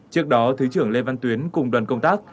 trước đó thứ trưởng lê văn tuyến cùng đoàn công tác